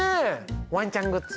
ワンちゃんグッズ。